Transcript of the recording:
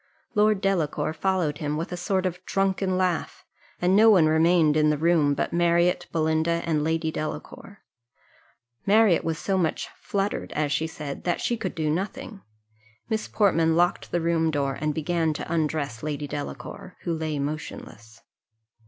Lord Delacour followed him with a sort of drunken laugh; and no one remained in the room but Marriott, Belinda, and Lady Delacour. Marriott was so much fluttered, as she said, that she could do nothing. Miss Portman locked the room door, and began to undress Lady Delacour, who lay motionless.